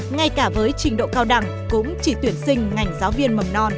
ngay cả với trình độ cao đẳng cũng chỉ tuyển sinh ngành giáo viên